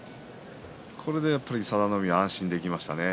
これでやっぱり佐田の海は安心できましたね。